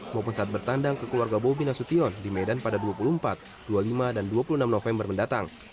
maupun saat bertandang ke keluarga bobi nasution di medan pada dua puluh empat dua puluh lima dan dua puluh enam november mendatang